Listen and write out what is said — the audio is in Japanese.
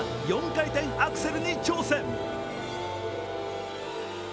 ４回転アクセルに挑戦。